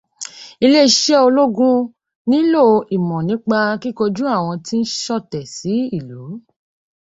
Ilé isẹ́ ológun nílò ìmọ̀ nípa kíkọjú àwọn tí wọ́n ń ṣọ̀tẹ̀ sí ìlú.